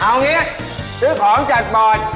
เอางี้ซื้อของจัดบอร์ด